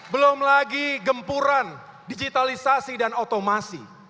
belum lagi gempuran digitalisasi dan otomasi